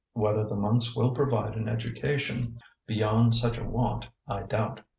Whether the monks will provide an education beyond such a want, I doubt.